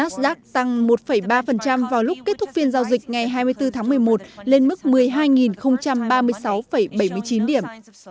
s p năm trăm linh tăng một ba vào lúc kết thúc phiên giao dịch ngày hai mươi bốn tháng một mươi một lên mức một mươi hai ba mươi sáu bảy mươi chín điểm